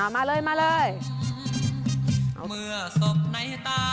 มาเลย